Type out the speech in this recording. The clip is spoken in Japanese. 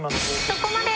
そこまで！